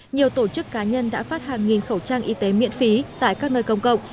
nhiều tổ chức cá nhân đã phát hàng nghìn khẩu trang y tế miễn phí tại các nơi công cộng